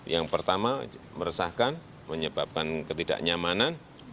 yang pertama meresahkan menyebabkan ketidaknyamanan